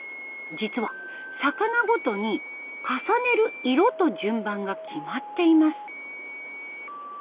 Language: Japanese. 実は魚ごとに重ねる色と順番が決まっています。